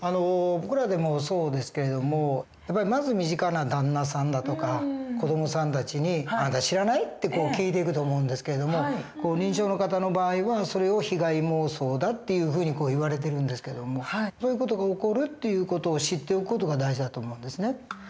僕らでもそうですけれどもまず身近な旦那さんだとか子どもさんたちに「あんた知らない？」って聞いていくと思うんですけども認知症の方の場合はそれを被害妄想だっていうふうに言われてるんですけどもそういう事が起こるという事を知っておく事が大事だと思うんですね。